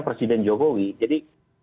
presiden jokowi jadi